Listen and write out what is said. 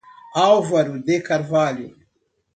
Álvaro de Carvalho